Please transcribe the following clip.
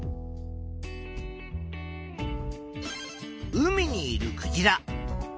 海にいるクジラ。